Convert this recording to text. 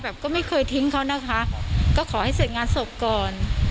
ก็ไม่เคยทิ้งเขานะคะก็ขอให้เสร็จงานศพก่อน